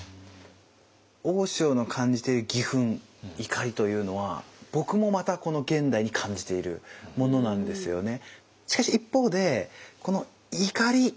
大塩の感じている義憤怒りというのは僕もまたこの現代に感じているものなんですよね。